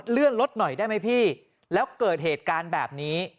เลื่อนรถหน่อยได้ไหมพี่แล้วเกิดเหตุการณ์แบบนี้